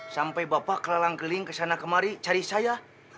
sampai bapak keliling keliling kesana kemari cari saya